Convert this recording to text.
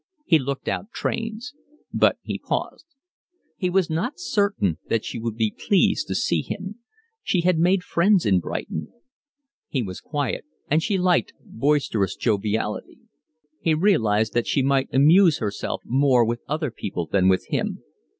He looked out trains. But he paused. He was not certain that she would be pleased to see him; she had made friends in Brighton; he was quiet, and she liked boisterous joviality; he realised that she amused herself more with other people than with him.